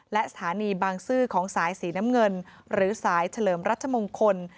และสถานีบางซื่อของสายสีน้ำเงินหรือสายเฉลิมรัชมงคล